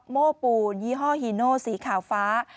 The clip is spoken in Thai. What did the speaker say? โม่ปูนยี่ห้อฮีโนสีขาวฟ้า